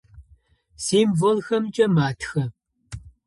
Символхэмкӏэ матхэ.